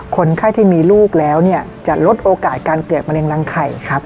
คนไข้ที่มีลูกแล้วเนี่ยจะลดโอกาสการเกิดมะเร็งรังไข่ครับ